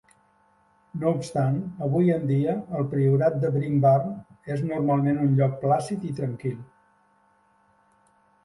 No obstant, avui en dia el priorat de Brinkburn és normalment un lloc plàcid i tranquil.